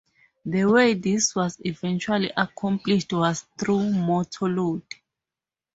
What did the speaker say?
The way this was eventually accomplished was through motor load.